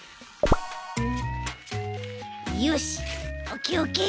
よしオッケーオッケー！